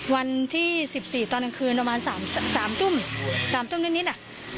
วันที่สิบสี่ตอนกลางคืนประมาณสามทุ่มสามตุ่มนิดนิดน่ะ